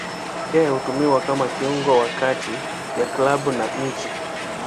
Yeye hutumiwa kama kiungo wa kati ya klabu na nchi.